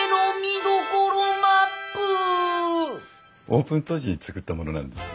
オープン当時に作ったものなんです。